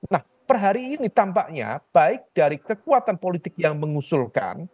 nah per hari ini tampaknya baik dari kekuatan politik yang mengusulkan